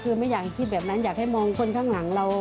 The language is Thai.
คือไม่อยากคิดแบบนั้นอยากให้มองคนข้างหลังเรา